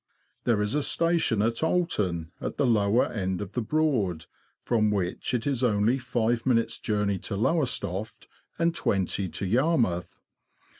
There is a station at Oulton, at the lower end of the Broad, from which it is only five minutes' journey to Lowestoft, and twenty to Yarmouth.